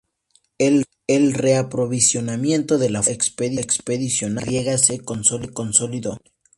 El reaprovisionamiento de la fuerza expedicionaria griega se consolidó.